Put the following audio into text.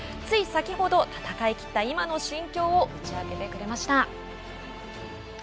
つい先ほど戦い切った今の心境を打ち明けてくれました。